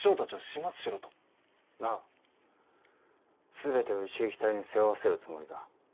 全てを一撃隊に背負わせるつもりだ。